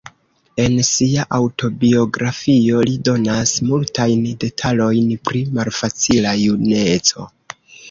En sia aŭtobiografio, li donas multajn detalojn pri malfacila juneco.